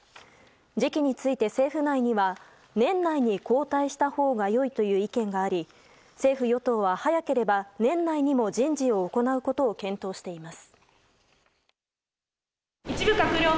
時期について政府内には年内に交代したほうが良いという意見があり政府・与党は早ければ年内にも人事を行うことを検討しています。